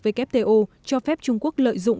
wto cho phép trung quốc lợi dụng